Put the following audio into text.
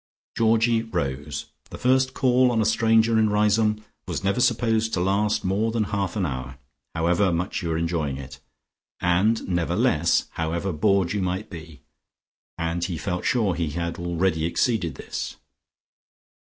Georgie rose; the first call on a stranger in Riseholme was never supposed to last more than half an hour, however much you were enjoying it, and never less, however bored you might be, and he felt sure he had already exceeded this.